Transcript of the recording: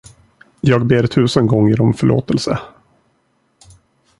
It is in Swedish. Jag ber tusen gånger om förlåtelse!